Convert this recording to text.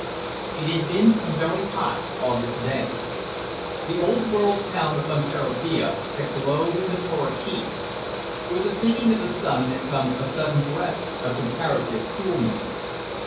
It had been a very hot August day. The old world town of Fonterrabia had glowed in the torrid heat. With the sinking of the sun had come a sudden breath of comparative coolness.